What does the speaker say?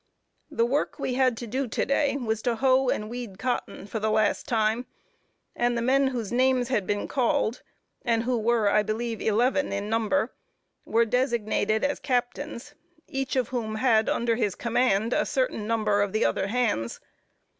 The work we had to do to day was to hoe and weed cotton, for the last time; and the men whose names had been called, and who were, I believe, eleven in number, were designated as captains, each of whom had under his command a certain number of the other hands.